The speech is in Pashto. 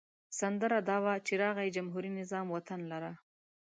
سندره دا وه چې راغی جمهوري نظام وطن لره.